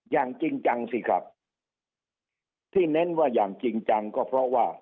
อย่างจริงจังสิครับที่เน้นว่าอย่างจริงจังก็เพราะว่า